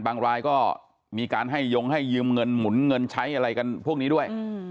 รายก็มีการให้ยงให้ยืมเงินหมุนเงินใช้อะไรกันพวกนี้ด้วย